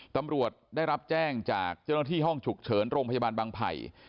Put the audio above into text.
ตำรวจได้รับแจ้งจากเจ้าหน้าที่ห้องฉุกเฉินโรงพยาบาลบางไผ่